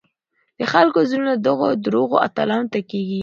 د خلکو زړونه دغو دروغو اتلانو ته کېږي.